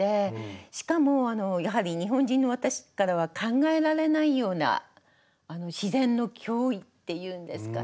しかもやはり日本人の私からは考えられないような自然の驚異っていうんですかね